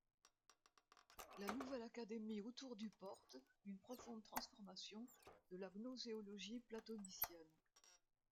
La Nouvelle Académie autour du porte une profonde transformation de la gnoséologie platonicienne.